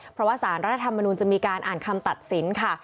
เพราะว่าสารรัฐธรรมนุนจะมีการอ่านคำตัดสินค่ะ